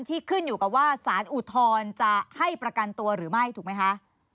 ขึ้นอยู่กับว่าสารอุทธรณ์จะให้ประกันตัวหรือไม่ถูกไหมคะ